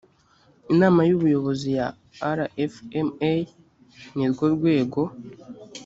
inama y ubuyobozi ya rfma ni rwo rwego